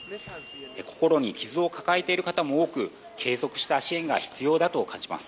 心に傷を抱えている方も多く継続した支援も必要だと感じます。